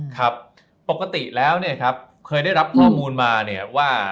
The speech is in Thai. ครับปกติแล้วเนี่ยครับเคยได้รับข้อมูลมาเนี่ยว่า